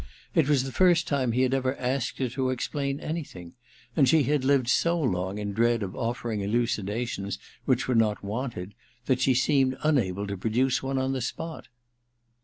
It was the first time he had ever asked her to explain anything ; and she had lived so long in dread of offering elucidations which were not wanted, that she seemed unable to produce one on the spot.